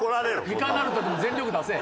いかなる時も全力出せ！